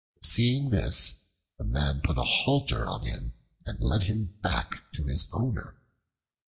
Seeing this, the man put a halter on him and led him back to his owner.